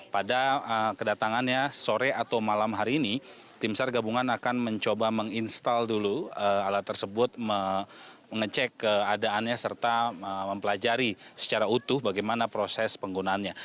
pada kedatangannya sore atau malam hari ini tim sar gabungan akan mencoba menginstal dulu alat tersebut mengecek keadaannya serta mempelajari secara utuh bagaimana proses penggunaannya